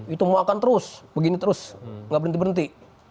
itu mau makan terus begini terus gak berhenti berhenti